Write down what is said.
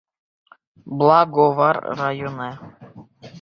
Благовар районы.